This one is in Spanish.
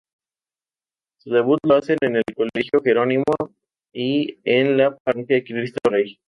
Su debut lo hacen en el colegio Jerónimo y en la parroquia Cristo rey.